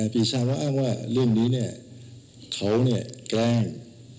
ปีชาก็อ้างว่าเรื่องนี้เนี่ยเขาเนี่ยแกล้ง